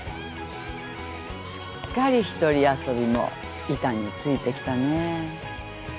すっかり一人遊びも板についてきたねえ。